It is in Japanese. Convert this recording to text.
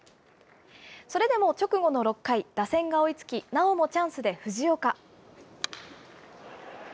それでも直後の６回、打線が追いつき、なおもチャンスで藤岡。